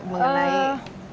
mengenai bagaimana mengekspresikan